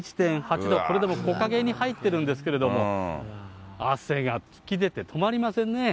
これでも木陰に入ってるんですけれども、汗が噴き出て止まりませんね。